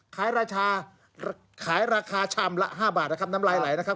ราคาขายราคาชามละ๕บาทนะครับน้ำลายไหลนะครับ